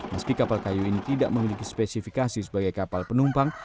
meski kapal kayu ini tidak memiliki spesifikasi sebagai kapal penumpang